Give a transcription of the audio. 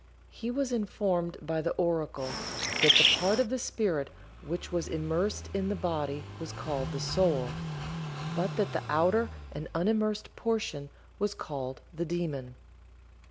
He was informed by the oracle that the part of the spirit which was immersed in the body was called the "soul," but that the outer and unimmersed portion was called the "daemon."